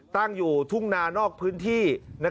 ตั้งอยู่ทุ่งนานอกพื้นที่